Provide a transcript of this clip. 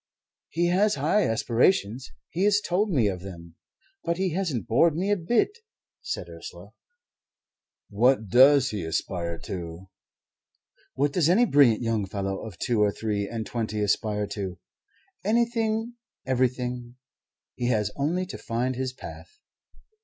"He has high aspirations. He has told me of them. But he hasn't bored me a bit," said Ursula. "What does he aspire to?" "What does any brilliant young fellow of two or three and twenty aspire to? Anything, everything. He has only to find his path."